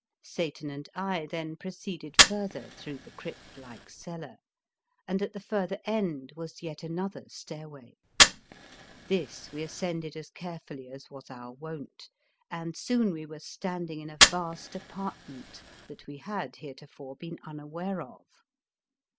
Satan and I then proceeded further through the crypt like cellar, and at the further end was yet another stairway. This we ascended as carefully as was our wont, and soon we were standing in a vast apartment that we had heretofore been unaware of.